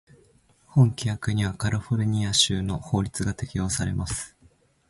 本規約にはカリフォルニア州の法律が適用されます。